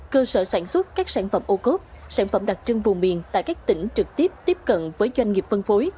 cơ sở sản xuất các sản phẩm ô cốt sản phẩm đặc trưng vùng miền tại các tỉnh trực tiếp tiếp cận với doanh nghiệp phân phối